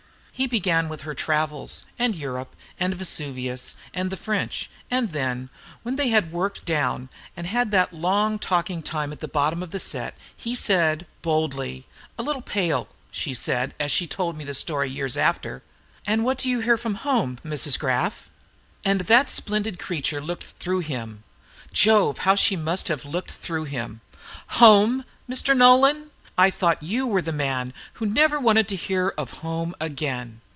He began with her travels, and Europe, and Vesuvius, and the French; and then, when they had worked down, and had that long talking time at the bottom of the set, he said boldly, a little pale, she said, as she told me the story years after, "And what do you hear from home, Mrs. Graff?" And that splendid creature looked through him. Jove! how she must have looked through him! "Home!! Mr. Nolan!!! I thought you were the man who never wanted to hear of home again!"